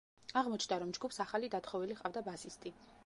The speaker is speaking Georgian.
აღმოჩნდა, რომ ჯგუფს ახალი დათხოვილი ჰყავდა ბასისტი.